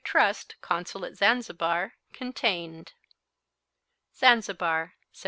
Trust, Consul at Zanzibar, contained: "Zanzibar, Sept.